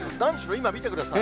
今見てください。